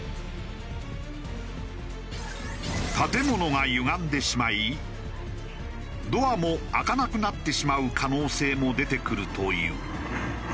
建物がゆがんでしまいドアも開かなくなってしまう可能性も出てくるという。